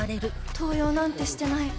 盗用なんてしてない。